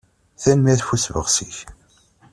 Tanemmirt ɣef usebɣes-ik.